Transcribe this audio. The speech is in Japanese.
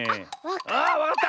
あっわかった！